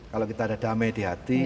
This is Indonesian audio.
kalau kita ada damai di hati